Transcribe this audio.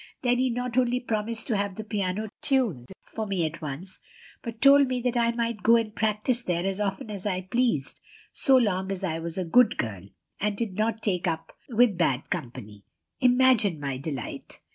Then he not only promised to have the piano tuned for me at once, but told me that I might go and practise there as often as I pleased, so long as I was a good girl, and did not take up with bad company. Imagine my delight!